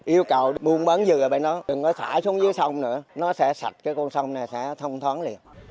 yêu cầu buôn bán gì rồi nó đừng có thả xuống dưới sông nữa nó sẽ sạch cái con sông này sẽ thông thoáng liền